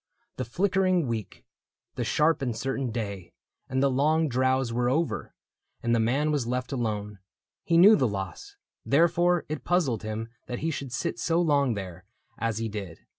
The flickering week. The sharp and certain day, and the long drowse Were over, and the man was left alone. He knew the loss — Therefore it puzzled him That he should sit so long there as he did.